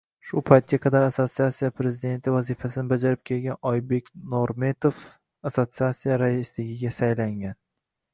Shu paytga qadar assotsiatsiya prezidenti vazifasini bajarib kelgan Oybek Normetov assotsiatsiya raisligiga saylangan